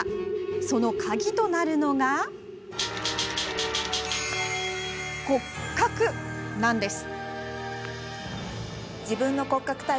その鍵となるのが骨格なんです。